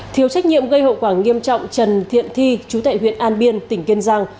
thiếu trách nhiệm gây hậu quả nghiêm trọng trần thiện thi chú tệ huyện an biên tỉnh kiên giang